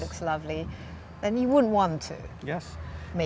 maka kita tidak akan ingin membuatnya berguna